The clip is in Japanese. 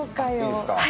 いいですか。